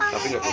tapi nggak boleh